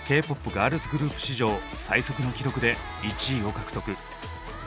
ガールズグループ史上最速の記録で１位を獲得。